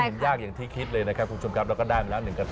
ประมาณนี้ก็สามารถใช้ได้แล้ว